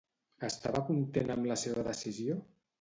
Estava content amb la seva decisió?